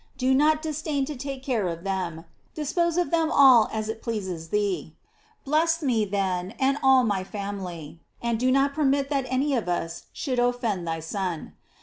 Do not disdain to take care of them; dispose of them all as it pleases thee. Bless me, then, and all my family, and do not permit that any of us should offend thy Son.